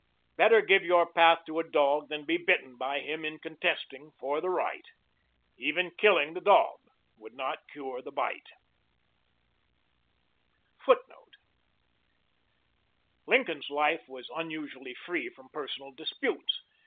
Better give your path to a dog than be bitten by him in contesting for the right. Even killing the dog would not cure the bite. [Relocated Footnote: Lincoln's life was unusually free from personal disputes.